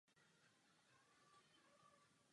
Bližší informace o dějinách konventu nejsou zachovány.